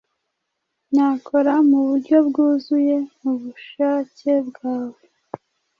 Nakora muburyo bwuzuye ubushake bwawe